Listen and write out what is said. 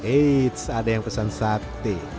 eits ada yang pesan sate